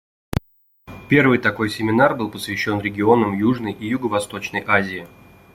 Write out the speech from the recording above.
Первый такой семинар был посвящен регионам Южной и Юго-Восточной Азии.